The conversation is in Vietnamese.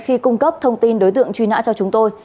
khi cung cấp thông tin đối tượng truy nã cho chúng tôi